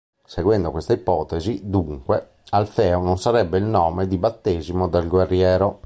Seguendo questa ipotesi, dunque, "Alfeo" non sarebbe il nome di battesimo del guerriero.